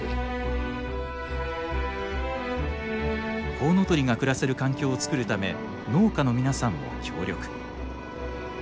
コウノトリが暮らせる環境をつくるため農家の皆さんも協力。